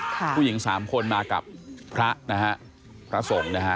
ผู้หญิงสามคนมากับพระนะฮะพระสงฆ์นะฮะ